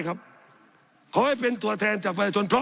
สับขาหลอกกันไปสับขาหลอกกันไป